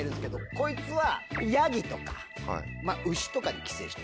こいつはヤギとか牛とかに寄生したい。